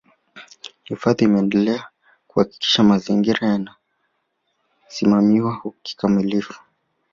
Hifadhi imeendelea kuhakikisha mazingira yanasimamiwa kikamilifu